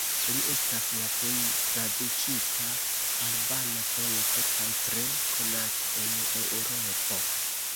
Li estas la plej tradukita albana poeto kaj tre konata en Eŭropo.